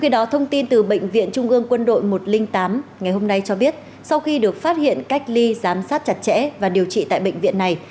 đó thông tin từ bệnh viện trung ương quân đội một trăm linh tám ngày hôm nay cho biết sau khi được phát hiện cách ly giám sát chặt chẽ và điều trị tại bệnh viện này